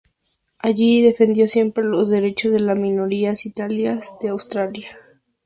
Allí defendió siempre los derechos de las minorías italianas de Austria.